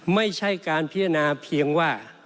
ไม่ใช่การพิจารณาเพียงว่า